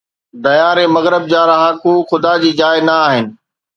ديار مغرب جا رهاڪو خدا جي جاءِ نه آهن